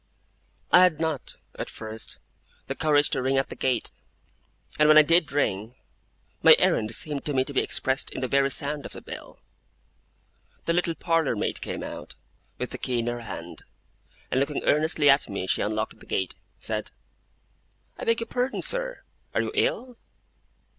I had not, at first, the courage to ring at the gate; and when I did ring, my errand seemed to me to be expressed in the very sound of the bell. The little parlour maid came out, with the key in her hand; and looking earnestly at me as she unlocked the gate, said: 'I beg your pardon, sir. Are you ill?